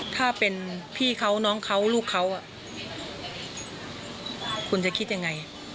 ถ้าเป็นพี่เขาน้องเขาลูกเขาคุณจะคิดยังไง